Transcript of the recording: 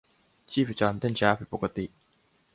ชีพจรเต้นช้าผิดปกติ